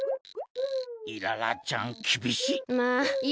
イララちゃんきびしい。